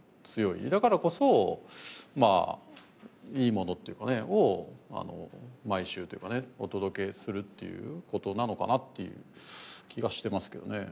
だからこそまあいいものっていうかねを毎週お届けするっていう事なのかなっていう気がしてますけどね。